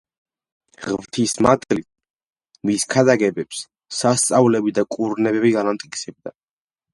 ღვთის მადლით მის ქადაგებებს სასწაულები და კურნებები განამტკიცებდა.